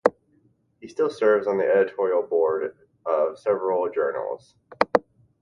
He still serves on the editorial boards of several journals.